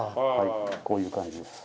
こういう感じです。